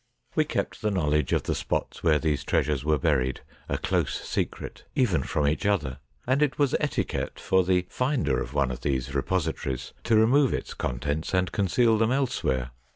We kept the knowledge of the spots where these treasures were buried a close secret, even from each other, and it was etiquette for the finder of one of these repositories to remove its contents and con ceal them elsewhere.